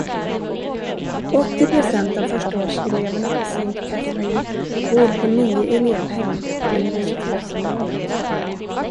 Åttio procent av förstaårseleverna på Saint Catherine bor på nio elevhem på universitetsområdet.